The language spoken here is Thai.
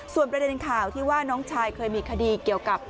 ส่วนประเด็นข่าวที่ว่าน้องชายเคยมีคดีเกี่ยวกับ